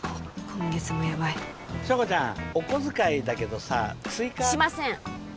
今月もやばい硝子ちゃんお小遣いだけどさ追加しません